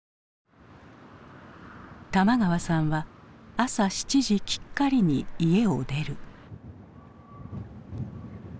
玉川さんは朝７時きっかりに家を出る。